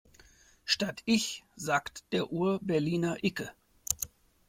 Statt ich sagt der Urberliner icke.